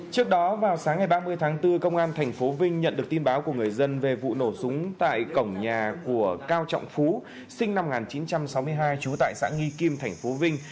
trước đó vào sáng ngày ba mươi tháng bốn công an tp vinh nhận được tin báo của người dân về vụ nổ súng tại cổng nhà của cao trọng phú sinh năm một nghìn chín trăm sáu mươi hai trú tại xã nghi kim tp vinh